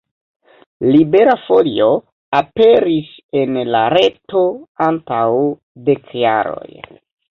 Libera Folio aperis en la reto antaŭ dek jaroj.